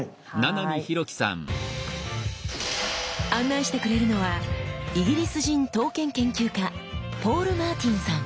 案内してくれるのはイギリス人刀剣研究家ポール・マーティンさん。